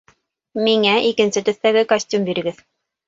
Миңә икенсе төҫтәге костюм бирегеҙ.